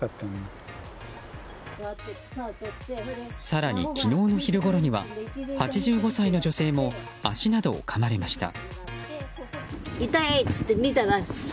更に昨日の昼ごろには８５歳の女性も足などをかまれました。